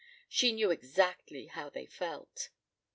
She knew exactly how they felt!